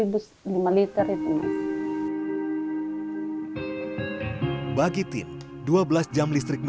biar saya bisa agak enakan untuk hanya menginap